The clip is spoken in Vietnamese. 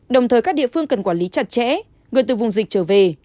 đồng thời các địa phương cần quản lý chặt chẽ người từ vùng dịch trở về